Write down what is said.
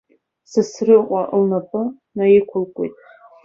Сасрыҟәа лнапы наиқәылкуеит.